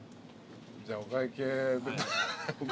じゃあお会計。